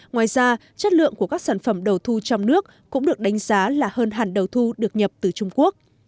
ngoài ra chất lượng của các sản phẩm đầu thu trong nước cũng được đánh giá là hơn hẳn đầu thu được nhập từ trung quốc